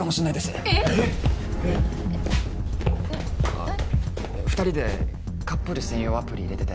⁉あっ２人でカップル専用アプリ入れてて。